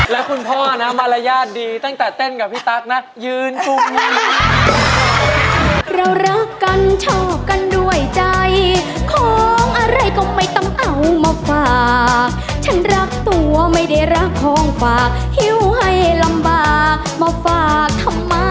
แล้วคุณพ่อนะมารยาทดีตั้งแต่เต้นกับพี่ตั๊กนะยืนอยู่